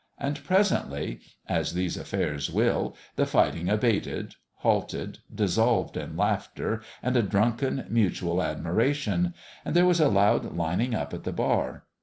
And presently (as these affairs will) the fighting abated, halted, dissolved in laughter and a drunken mutual admiration ; and there was a loud lining up at the bar.